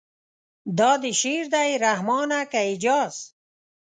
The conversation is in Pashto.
دا دې شعر دی رحمانه که اعجاز.